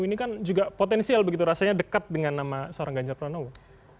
ini kan juga potensial begitu rasanya dekat dengan nama seorang ganjar pranowo